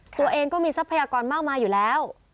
ตัวเองก็มีทรัพยากรมากมายอยู่แล้ว